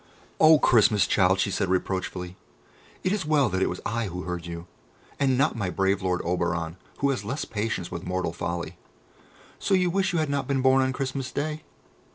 "O Christmas child," she said reproachfully, "it is well that it was I who heard you, and not my brave lord Oberon, who has less patience with mortal folly. So you wish you had not been born on Christmas Day?